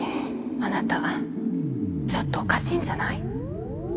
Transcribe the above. あなたちょっとおかしいんじゃない？